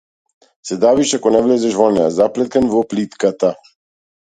Се давиш ако не влезеш во неа, заплеткан во плитката.